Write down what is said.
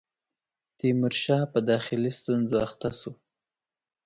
تیمورشاه په داخلي ستونزو اخته شو.